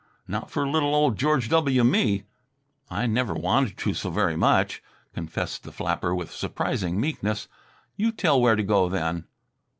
Not for little old George W. Me!" "I never wanted to so very much," confessed the flapper with surprising meekness. "You tell where to go, then."